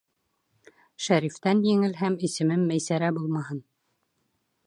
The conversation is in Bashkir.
Шәрифтән еңелһәм, исемем Мәйсәрә булмаһын.